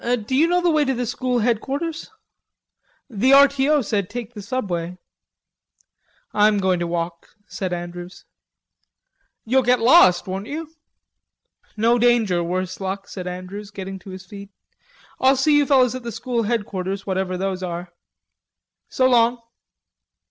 "D'you know the way to the School Headquarters?" "The R. T. O. said take the subway." "I'm going to walk," said Andrews. "You'll get lost, won't you?" "No danger, worse luck," said Andrews, getting to his feet. "I'll see you fellows at the School Headquarters, whatever those are.... So long."